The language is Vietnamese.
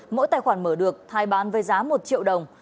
mỗi tài khoản mở được thái bán với giá một triệu đồng